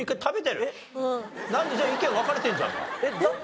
じゃあ意見分かれてんじゃんか。